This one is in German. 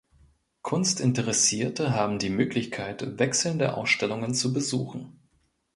Kunstinteressierte haben die Möglichkeit, wechselnde Ausstellungen zu besuchen.